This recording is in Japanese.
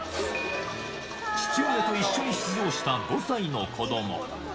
父親と一緒に出場した５歳の子ども。